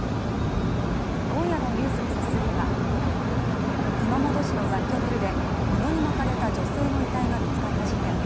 今夜の「ｎｅｗｓ２３」は熊本市の雑居ビルで、布に巻かれた女性の遺体が見つかった事件。